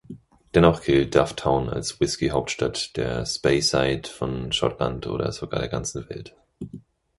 Dennoch gilt Dufftown als Whisky-Hauptstadt der Speyside, von Schottland oder sogar der ganzen Welt.